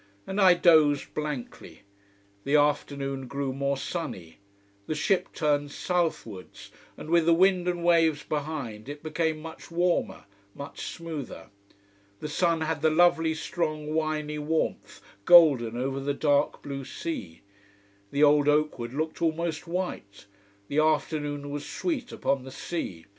And I dozed blankly. The afternoon grew more sunny. The ship turned southwards, and with the wind and waves behind, it became much warmer, much smoother. The sun had the lovely strong winey warmth, golden over the dark blue sea. The old oak wood looked almost white, the afternoon was sweet upon the sea.